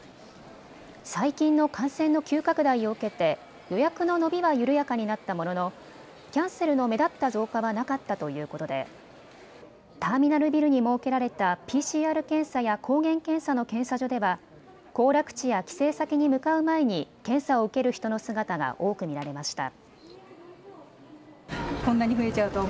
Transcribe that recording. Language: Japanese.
最近の感染の急拡大を受けて予約の伸びは緩やかになったもののキャンセルの目立った増加はなかったということでターミナルビルに設けられたＰＣＲ検査や抗原検査の検査所では行楽地や帰省先に向かう前に検査を受ける人の姿が多く見られました。